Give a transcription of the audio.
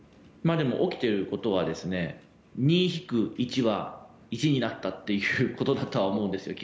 でも、起きてることは２引く１は１になったっていうことだとは思うんです。